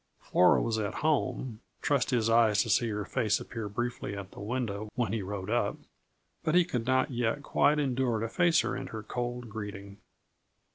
Flora was at home trust his eyes to see her face appear briefly at the window when he rode up! but he could not yet quite endure to face her and her cold greeting.